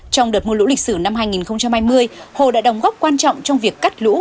trong đợt mưa lũ lịch sử năm hai nghìn hai mươi hồ đã đóng góp quan trọng trong việc cắt lũ